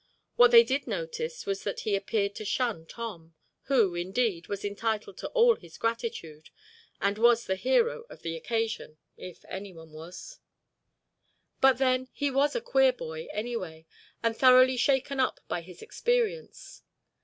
What they did notice was that he appeared to shun Tom, who, indeed, was entitled to all his gratitude and was the hero of the occasion if anyone was. But then he was a queer boy anyway, and thoroughly shaken up by his experience.